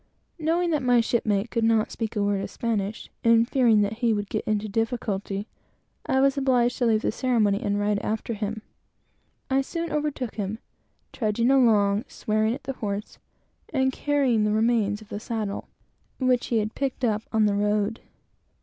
Knowing that my shipmate could not speak a word of Spanish, and fearing that he would get into difficulty, I was obliged to leave the ceremony and ride after him. I soon overtook him, trudging along, swearing at the horse, and carrying the remains of the saddle, which he had picked up on the road.